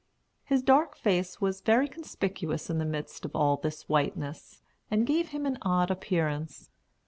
His dark face was very conspicuous in the midst of all this whiteness, and gave him an odd appearance.